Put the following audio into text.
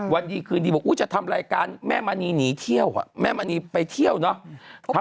วันดีคืนดีบอกอุ๊ยจะทำรายการแม่มณีหนีเที่ยวแม่มณีไปเที่ยวเนอะ